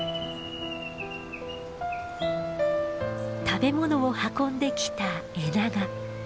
食べ物を運んできたエナガ。